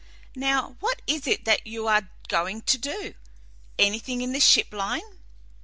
Now what is it that you are going to do? Anything in the ship line?"